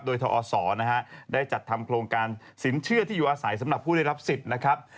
โดยทอศได้จัดทำโครงการสินเชื่อที่อยู่อาศัยสำหรับผู้ได้รับสิทธิ์นะครับ